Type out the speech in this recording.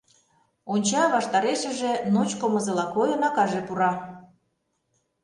Онча: ваштарешыже, ночко мызыла койын, акаже пура.